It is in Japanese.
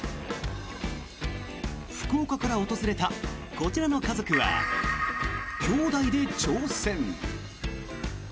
福岡から訪れたこちらの家族は兄弟で挑戦。